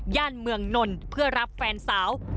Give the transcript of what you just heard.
ย่านเมืองนนเพื่อรับแฟนสาว